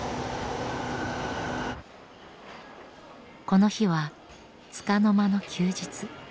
この日はつかの間の休日。